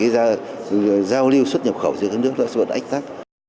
rồi giao lưu xuất nhập khẩu giữa các nước là sự ảnh tác